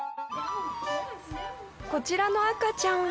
こちらの赤ちゃんは。